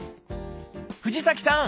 藤崎さん